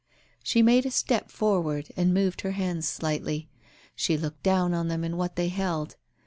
... She made a step forward and moved her hands slightly. She looked down on them and what they held